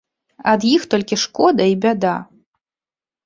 Ад іх толькі шкода і бяда.